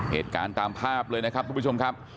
เหตุการณ์ตามภาพเลยนะครับทุกผู้ชมครับ